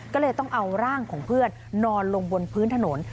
ก็เลยต้องเอาร่างของเพื่อนนอนลงบนพื้นถนน